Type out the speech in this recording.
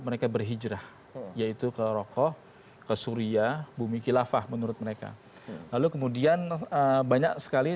mereka berhijrah yaitu ke rokok ke suria bumi kilafah menurut mereka lalu kemudian banyak sekali